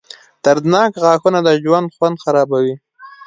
• دردناک غاښونه د ژوند خوند خرابوي.